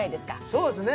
そうですね